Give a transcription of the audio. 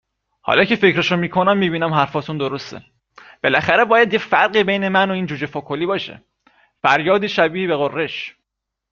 حالا که فکرشو میکنم می بینم حرفاتون درسته. بالاخره باید یه فرقی بین من و این جوجه فکلی باشه. فریادی شبیه به غرش